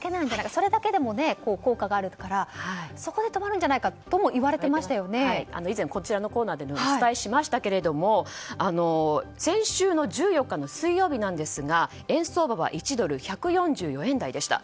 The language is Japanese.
それだけでも効果があるからそこで止まるんじゃと以前、こちらのコーナーでもお伝えしましたが先週の１４日の水曜日ですが円相場は１ドル＝１４４円台でした。